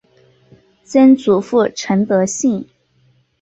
曾祖父陈德兴。